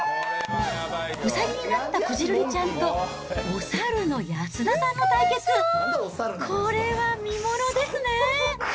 ウサギになったこじるりちゃんと、おサルの安田さんの対決、これは見ものですね。